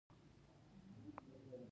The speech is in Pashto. مشر ورور يې لا پخوا سوداګري پيل کړې وه.